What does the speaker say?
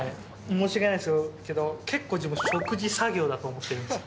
申し訳ないんですけど、結構自分、食事、作業だと思ってるんです。